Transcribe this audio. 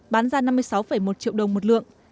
bán ra năm mươi sáu một triệu đồng một lượng